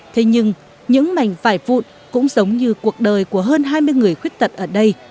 thế nhưng những mảnh vài vụn cũng giống như cuộc đời của hơn hai mươi người khuyết tật ở đây